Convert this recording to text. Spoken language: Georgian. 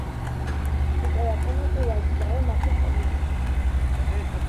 იმპერატორმა კი აკრძალა მათი კომენტირება.